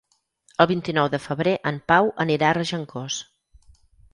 El vint-i-nou de febrer en Pau anirà a Regencós.